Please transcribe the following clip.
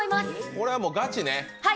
これは、もうガチね。